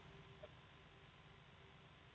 yang dalam waktu dekat ini juga